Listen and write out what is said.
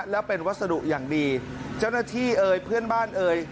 และเป็นวัสดุอย่างดีเจ้าหน้าที่เอ่ยเพื่อนบ้านเอ่ย